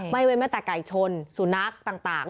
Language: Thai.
ไม่เว้นแม้แต่ไก่ชนสุนัขต่าง